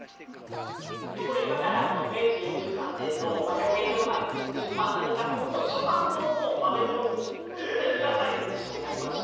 でこれ今から明治４３年のまあ１００年以上前に出版された本の初版本を豆本に手のひらサイズにしてみました。